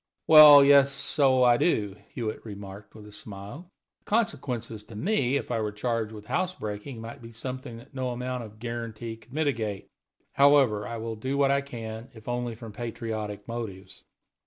"Well, yes, so I do," Hewitt remarked, with a smile. "The consequences to me, if I were charged with house breaking, might be something that no amount of guarantee could mitigate. However, I will do what I can, if only from patriotic motives.